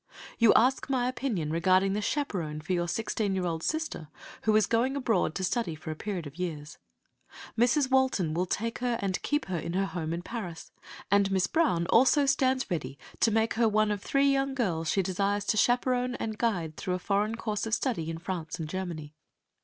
You ask my opinion regarding the chaperon for your sixteen year old sister, who is going abroad to study for a period of years. Mrs. Walton will take her and keep her in her home in Paris, and Miss Brown also stands ready to make her one of three young girls she desires to chaperon and guide through a foreign course of study in France and Germany.